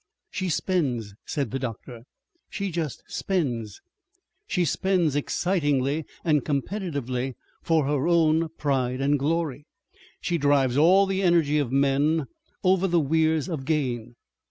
"She spends," said the doctor, "she just spends. She spends excitingly and competitively for her own pride and glory, she drives all the energy of men over the weirs of gain....